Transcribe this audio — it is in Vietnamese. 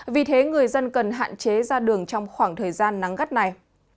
vì thế người dân cần hạn chế ra đường trong khoảng thời gian nắng gắt này